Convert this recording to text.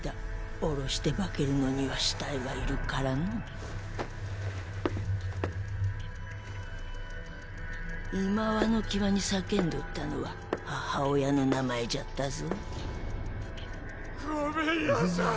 降ろして化けるのには死体がいるからのいまわの際に叫んどったのは母親の名前じごめんなさい！